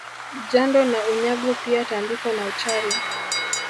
Jando na Unyago pia tambiko na uchawi